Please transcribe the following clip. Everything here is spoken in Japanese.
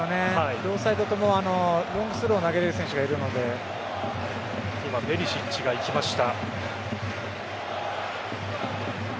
両サイドともロングスロー投げる選手が今、ペリシッチが行きました。